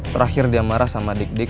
terakhir dia marah sama dik dik